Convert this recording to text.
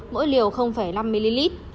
mỗi liều năm ml